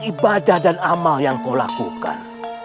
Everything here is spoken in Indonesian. ibadah dan amal yang kau lakukan